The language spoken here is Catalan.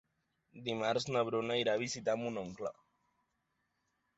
Dimarts na Bruna irà a visitar mon oncle.